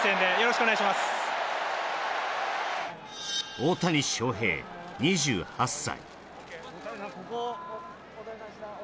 大谷翔平２８歳。